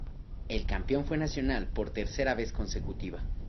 El campeón fue Nacional por tercera vez consecutiva.